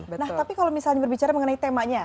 nah tapi kalau misalnya berbicara mengenai temanya